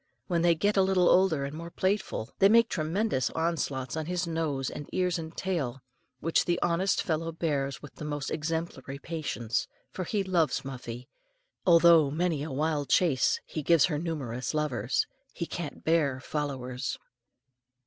When they get a little older and more playful, they make tremendous onslaughts on his nose and ears and tail, which the honest fellow bears with the most exemplary patience, for he loves Muffie, although many a wild chase he gives her numerous lovers. He can't bear "followers."